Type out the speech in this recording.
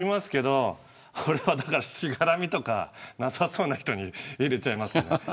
行きますけどしがらみとかなさそうな人に入れちゃいます。